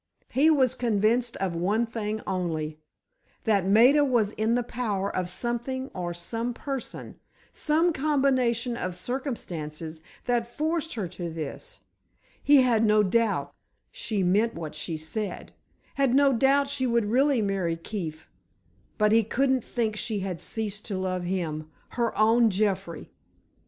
He was convinced of one thing only. That Maida was in the power of something or some person—some combination of circumstances that forced her to this. He had no doubt she meant what she said; had no doubt she would really marry Keefe—but he couldn't think she had ceased to love him—her own Jeffrey!